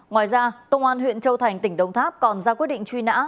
ngoài ra công an huyện châu thành tỉnh đồng tháp còn ra quyết định truy nã